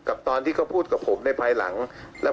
คลิปตามที่พี่พระมอบก็พูดกับผมในพายหลังนะครับ